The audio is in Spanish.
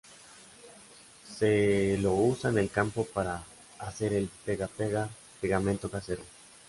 Se lo usa en el campo para hacer el pega-pega: pegamento casero.